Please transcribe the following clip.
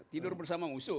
tidur bersama musuh